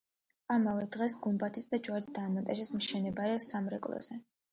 ამავე დღეს გუმბათიც და ჯვარიც დაამონტაჟეს მშენებარე სამრეკლოზე.